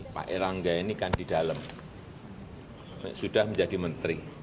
pak erlangga ini kan di dalam sudah menjadi menteri